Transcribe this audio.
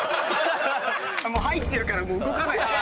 もう入ってるから動かない。